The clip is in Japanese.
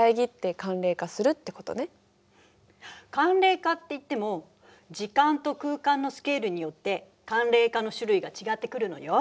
寒冷化っていっても時間と空間のスケールによって寒冷化の種類が違ってくるのよ。